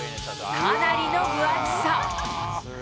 かなりの分厚さ。